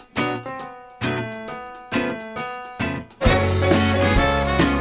โปรชินเมื่อมันมา